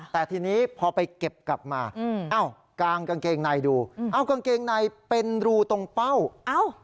แต่ทีนี้พอไปเก็บกลับมาอืมอ้าวกางกางเกงในดูเอากางเกงในเป็นรูตรงเป้าเอ้า